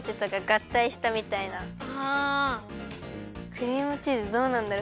クリームチーズどうなんだろう？